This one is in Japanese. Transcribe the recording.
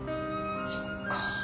そっか。